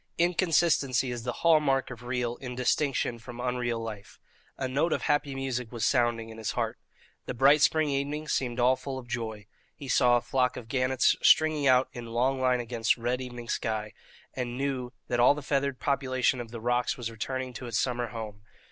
Inconsistency is the hall mark of real in distinction from unreal life. A note of happy music was sounding in his heart. The bright spring evening seemed all full of joy. He saw a flock of gannets stringing out in long line against the red evening sky, and knew that all the feathered population of the rocks was returning to its summer home.